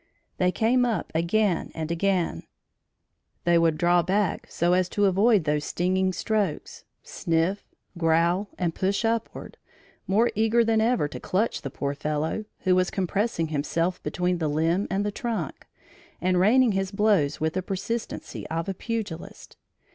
They came up again and again; they would draw back so as to avoid those stinging strokes, sniff, growl and push upward, more eager than ever to clutch the poor fellow, who was compressing himself between the limb and the trunk, and raining his blows with the persistency of a pugilist.